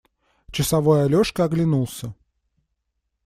Часовой Алешка оглянулся.